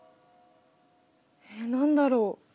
え何だろう？